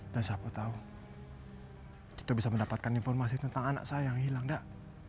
siapa tahu kita bisa mendapatkan informasi tentang anak saya yang hilang dak